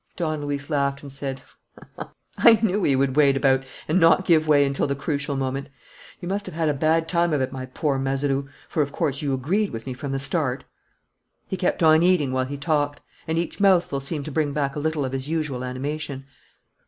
Don Luis laughed and said: "I knew he would wait about and not give way until the crucial moment. You must have had a bad time of it, my poor Mazeroux, for of course you agreed with me from the start." He kept on eating while he talked; and each mouthful seemed to bring back a little of his usual animation.